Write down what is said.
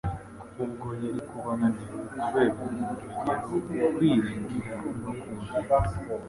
kuko ubwo yari kuba ananiwe kubera umuntu urugero mu kwiringira no kumvira